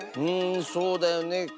うんそうだよね。